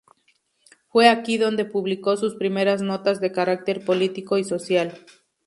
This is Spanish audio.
Fue aquí donde publicó sus primeras notas de carácter político y social.